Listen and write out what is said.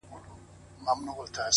د لرې اورګاډي غږ د فضا خالي توب ښيي’